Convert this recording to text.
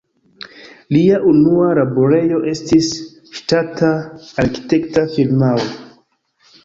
Lia unua laborejo estis ŝtata arkitekta firmao.